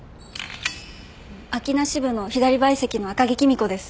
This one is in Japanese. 秋名支部の左陪席の赤城公子です。